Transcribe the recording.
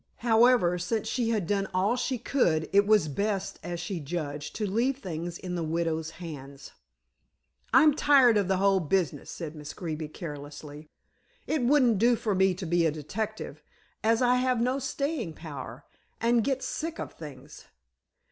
However, since she had done all she could, it was best, as she judged, to leave things in the widow's hands. "I'm tired of the whole business," said Miss Greeby carelessly. "It wouldn't do for me to be a detective, as I have no staying power, and get sick of things.